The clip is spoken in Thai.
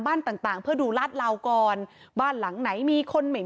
บ้านต่างเพื่อดูรัฐราวกรบ้านหลังไหนมีคนเหมือน